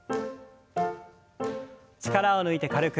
力を抜いて軽く。